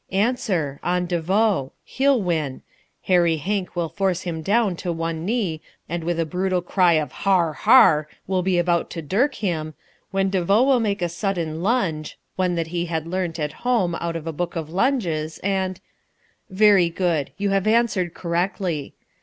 Answer. On De Vaux. He'll win. Hairy Hank will force him down to one knee and with a brutal cry of "Har! har!" will be about to dirk him, when De Vaux will make a sudden lunge (one he had learnt at home out of a book of lunges) and Very good. You have answered correctly.